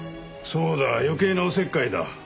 そうだ余計なおせっかいだ。